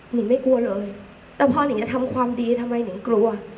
นิ่งไม่กลัวเลยแต่พอนิงจะทำความดีทำไมหนิงกลัว